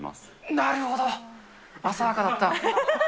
なるほど、浅はかだった。